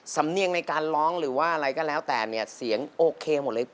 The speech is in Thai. สำเนียงในการร้องหรือว่าอะไรก็แล้วแต่เนี่ยเสียงโอเคหมดเลย